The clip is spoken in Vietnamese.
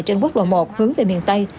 trên quốc lộ một hướng về miền tây